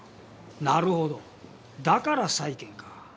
なるほどだから債権か。